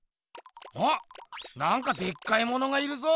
おっなんかでっかいものがいるぞ。